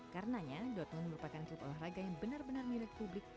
karenanya dotnom merupakan klub olahraga yang benar benar milik publik